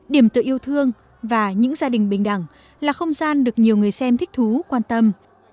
điểm tựa yêu thương và những gia đình bình đẳng là không gian được nhiều người xem thích thú quan tâm